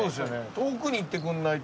遠くに行ってくれないと。